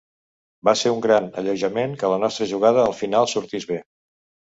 Va ser un gran alleujament que la nostra jugada al final sortís bé.